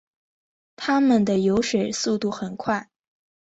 它们的游水速度很快。